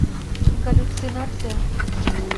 Галлюцинация...